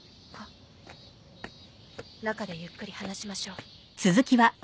中でゆっくり話しましょう。